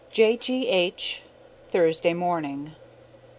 J. G. H., Thursday morning.